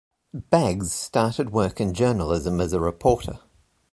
Baggs started work in journalism as a reporter.